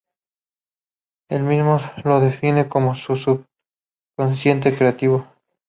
Él mismo lo define como su "subconsciente creativo".